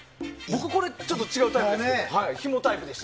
これ僕ちょっと違うタイプです。